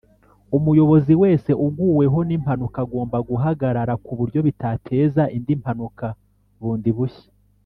umuyobozi wese uguweho n' impanuka agomba guhagarara kuburyo bitateza indi mpanuka bund bushya